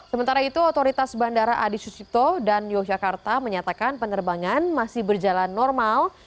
sementara itu otoritas bandara adi sucipto dan yogyakarta menyatakan penerbangan masih berjalan normal